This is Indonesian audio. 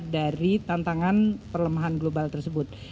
dari tantangan perlemahan global tersebut